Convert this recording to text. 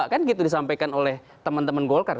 kan gitu disampaikan oleh teman teman golkar